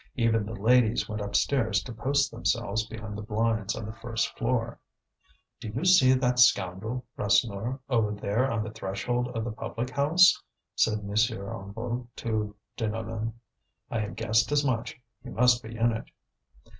Even the ladies went upstairs to post themselves behind the blinds on the first floor. "Do you see that scoundrel, Rasseneur, over there on the threshold of the public house?" said M. Hennebeau to Deneulin. "I had guessed as much; he must be in it."